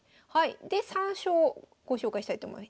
で三将ご紹介したいと思います。